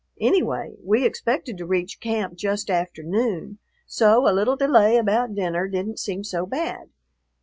Anyway, we expected to reach camp just after noon, so a little delay about dinner didn't seem so bad.